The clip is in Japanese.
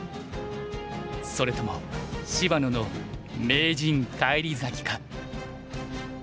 それとも芝野の名人返り咲きか。